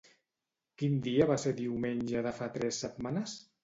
Quin dia va ser diumenge de fa tres setmanes?